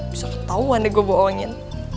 bisa ketahuan deh gue bohongin